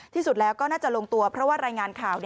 ที่สุดแล้วก็น่าจะลงตัวเพราะว่ารายงานข่าว